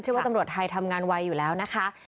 ว่าตำรวจไทยทำงานไวอยู่แล้วนะคะ